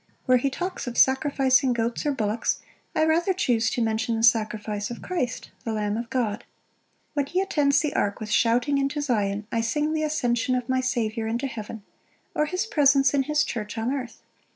Where he talks of sacrificing goats or bullocks, I rather chuse to mention the sacrifice of Christ, the Lamb of God. When he attends the ark with shouting into Zion, I sing the ascension of my Saviour into heaven, or his presence in his church on earth.